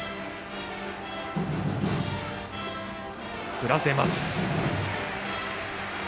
振らせます。